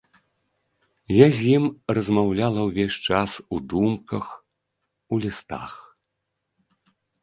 Я з ім размаўляла ўвесь час у думках, у лістах.